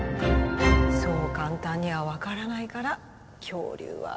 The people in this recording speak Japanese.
そう簡単には分からないから恐竜は面白いんだよ。